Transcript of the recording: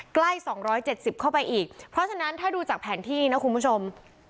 ใกล้๒๗๐เข้าไปอีกเพราะฉะนั้นถ้าดูจากแผนที่นะคุณผู้ชม